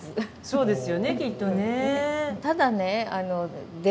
そうですよねきっとね。